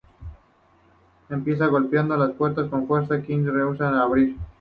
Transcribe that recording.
Empieza golpeando la puerta con fuerza y Kristen se rehúsa a abrir.